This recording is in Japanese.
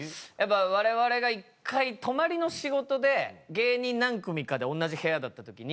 われわれが１回泊まりの仕事で芸人何組かで同じ部屋だった時に。